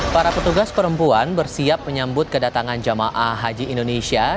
para petugas perempuan bersiap menyambut kedatangan jamaah haji indonesia